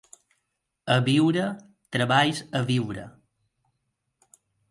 A Biure, treballs a viure.